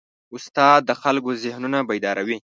استاد د خلکو ذهنونه بیداروي.